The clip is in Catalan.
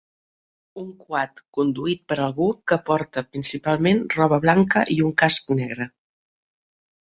Un quad conduït per algú que porta principalment roba blanca i un casc negre.